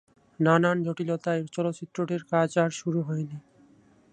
নানান জটিলতায় চলচ্চিত্রটির কাজ আর শুরু হয়নি।